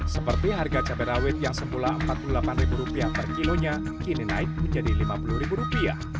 seperti harga cabai rawit yang semula rp empat puluh delapan per kilonya kini naik menjadi rp lima puluh